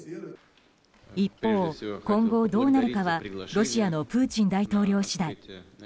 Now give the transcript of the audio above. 一方、今後どうなるかはロシアのプーチン大統領次第。